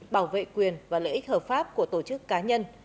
bảo vệ quyền và lợi ích hợp pháp của tổ chức cá nhân